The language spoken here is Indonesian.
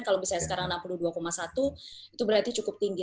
kalau misalnya sekarang enam puluh dua satu itu berarti cukup tinggi